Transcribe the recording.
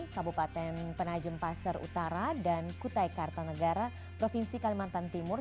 kabupaten penajem pasar utara dan kutai kartanegara provinsi kalimantan timur